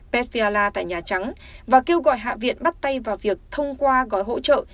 pet fiala tại nhà trắng và kêu gọi hạ viện bắt tay vào việc thông qua gói hỗ trợ